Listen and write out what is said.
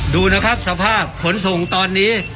ดูนะครับสภาพขนส่งตอนนี้